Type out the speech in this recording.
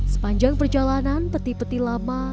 sepanjang perjalanan peti peti lama